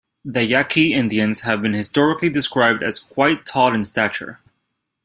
The Yaqui Indians have been historically described as quite tall in stature.